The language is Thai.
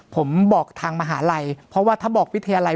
ผมบอกทางมหาลัยเพราะว่าถ้าบอกวิทยาลัย